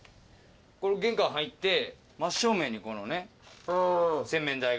これ玄関入って真っ正面にこのね洗面台が。